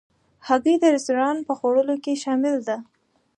هګۍ د رستورانتو په خوړو کې شامل ده.